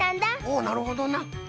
おなるほどな。